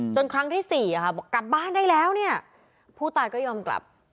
ครั้งที่๔บอกกลับบ้านได้แล้วเนี่ยผู้ตายก็ยอมกลับ